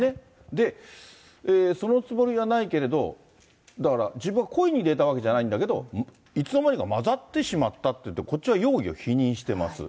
で、そのつもりがないけれど、だから、自分は故意に入れたわけじゃないんだけど、いつの間にか混ざってしまったって、こっちは容疑を否認してます。